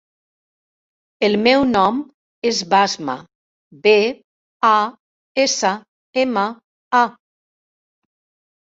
El meu nom és Basma: be, a, essa, ema, a.